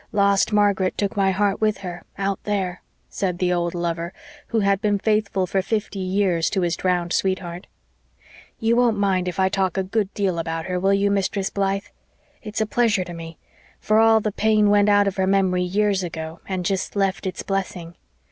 Lost Margaret took my heart with her out there," said the old lover, who had been faithful for fifty years to his drowned sweetheart. "You won't mind if I talk a good deal about her, will you, Mistress Blythe? It's a pleasure to me for all the pain went out of her memory years ago and jest left its blessing.